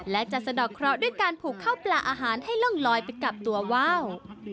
และจะสะดอกเคราะห์ด้วยการผูกข้าวปลาอาหารให้ล่องลอยไปกับตัวว่าว